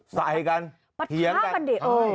ใส่กันปะท้ากันดิเออ